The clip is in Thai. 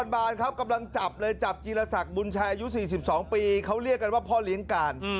ส่วนนครบาลกำลังจับจีลศักดิ์บุญชายอายุ๔๒ปีเขาเรียกกันว่าพ่อเลี้ยงกาล